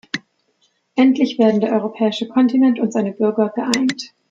Endlich werden der europäische Kontinent und seine Bürger geeint!